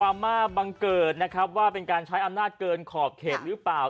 มาบังเกิดนะครับว่าเป็นการใช้อำนาจเกินขอบเขตหรือเปล่า